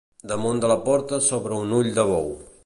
Damunt de la porta s'obre un ull de bou.